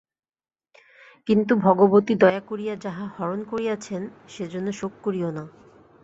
কিন্তু ভগবতী দয়া করিয়া যাহা হরণ করিয়াছেন সেজন্য শোক করিয়ো না।